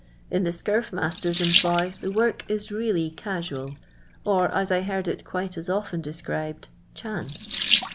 I In the scurf masters' employ, the work is really "casual," or, as I heard it quite as often de ■ scribed, " chance."